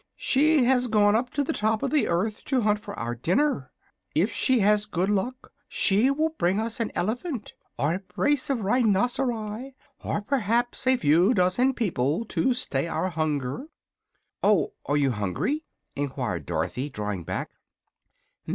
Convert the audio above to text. "She has gone up to the top of the earth to hunt for our dinner. If she has good luck she will bring us an elephant, or a brace of rhinoceri, or perhaps a few dozen people to stay our hunger." "Oh; are you hungry?" enquired Dorothy, drawing back.